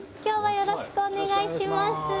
よろしくお願いします。